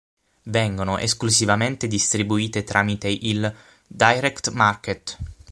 Vengono esclusivamente distribuite tramite il "Direct Market".